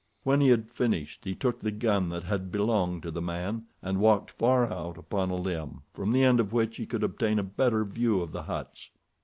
When he had finished he took the gun that had belonged to the man, and walked far out upon a limb, from the end of which he could obtain a better view of the huts.